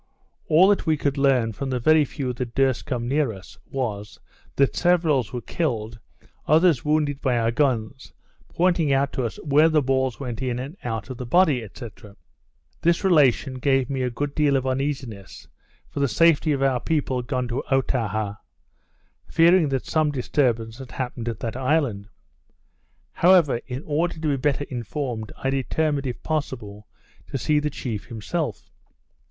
All that we could learn from the very few that durst come near us, was, that severals were killed, others wounded by our guns, pointing out to us where the balls went in and out of the body, &c. This relation gave me a good deal of uneasiness for the safety of our people gone to Otaha, fearing that some disturbance had happened at that island. However, in order to be better informed, I determined, if possible, to see the chief himself.